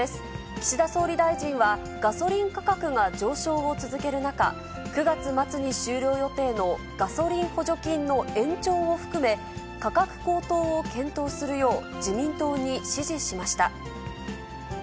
岸田総理大臣は、ガソリン価格が上昇を続ける中、９月末に終了予定のガソリン補助金の延長を含め、価格高騰を検討するよう自民党に指示しました。